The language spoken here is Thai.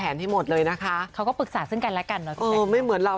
อันไหนช่วยกันได้เราก็ช่วยเหลือกัน